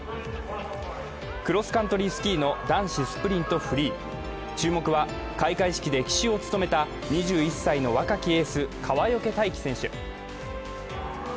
クロスカントリースキーの男子スプリントフリー注目は開会式で旗手を務めた２１歳の若きエース・川除大輝選手。